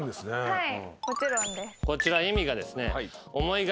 はい。